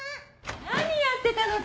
・何やってたの？